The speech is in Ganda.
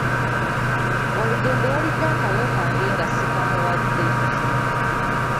Walugembe yalidde akalo kange nga sikamuwadde.